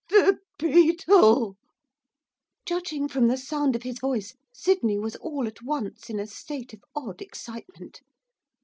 'The Beetle!' Judging from the sound of his voice Sydney was all at once in a state of odd excitement.